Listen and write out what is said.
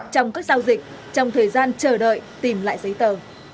trong các giao dịch trong thời gian chờ đợi tìm lại giấy tờ